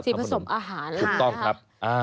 สีผสมอาหารครับ